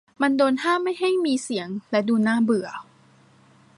มันโดนห้ามไม่ให้มีเสียงและดูน่าเบื่อ